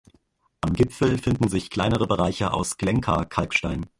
Am Gipfel finden sich kleinere Bereiche aus Glencar-Kalkstein.